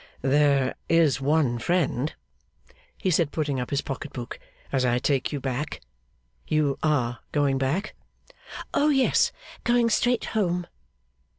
'There is one friend!' he said, putting up his pocketbook. 'As I take you back you are going back?' 'Oh yes! going straight home.